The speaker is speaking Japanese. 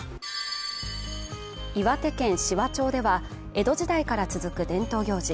岩手県紫波町では江戸時代から続く伝統行事